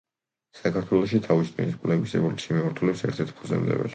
საქართველოში თავის ტვინის კვლევის ევოლუციური მიმართულების ერთ-ერთი ფუძემდებელი.